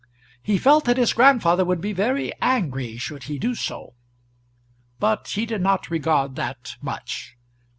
He felt that his grandfather would be very angry, should he do so. But he did not regard that much.